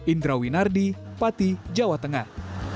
indra winardi pati jawa tengah